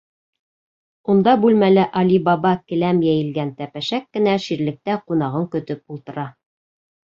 Унда бүлмәлә Али Баба келәм йәйелгән тәпәшәк кенә ширлектә ҡунағын көтөп ултыра.